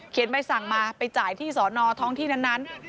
ใบสั่งมาไปจ่ายที่สอนอท้องที่นั้น